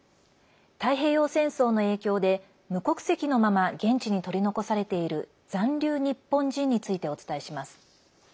太平洋戦争の影響で無国籍のまま現地に取り残されている残留日本人についてお伝えします。